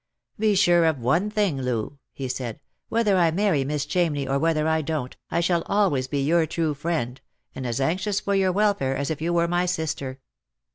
"Be sure of one thing, Loo," he said; "whether I marry Miss Chamney or whether I don't, I shall always be your true friend, and as anxious for your welfare as if you were my sister."